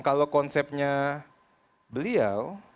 kalau konsepnya beliau